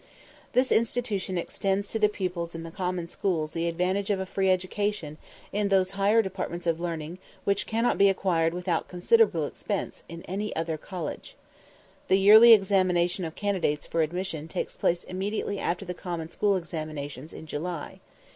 This institution extends to the pupils in the common schools the advantage of a free education in those higher departments of learning which cannot be acquired without considerable expense in any other college. The yearly examination of candidates for admission takes place immediately after the common school examinations in July.